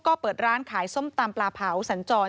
ก็เปิดร้านขายส้มตำปลาเผาสัญจร